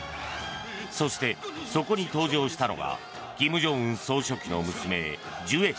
そして、そこに登場したのが金正恩総書記の娘・ジュエ氏。